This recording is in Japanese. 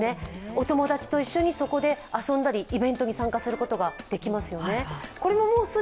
お友達と一緒にそこで遊んだり、イベントに参加することもできます。